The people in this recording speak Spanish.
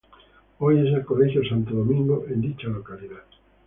Hoy es el Colegio Santo Domingo en dicha localidad.